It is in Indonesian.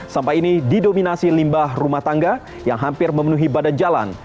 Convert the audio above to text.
sampah ini didominasi limbah rumah tangga yang hampir memenuhi badan jalan